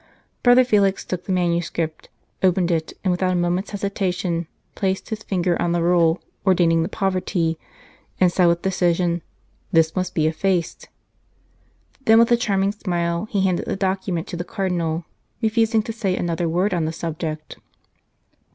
Brother Felix took the manuscript, opened it, and without a moment s hesitation, placing his finger on the rule ordaining the poverty, said with decision: "This must be effaced!" Then with a charming smile he handed the document to the Cardinal, refusing to say another word on the subject.